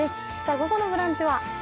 午後の「ブランチ」は？